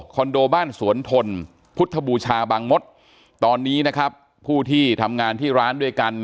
โดบ้านสวนทนพุทธบูชาบางมศตอนนี้นะครับผู้ที่ทำงานที่ร้านด้วยกัน